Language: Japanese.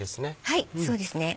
はいそうですね